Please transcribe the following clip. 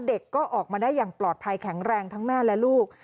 เด็กก็ออกมาได้อย่างปลอดภัยแข็งแรงทั้งแม่และลูก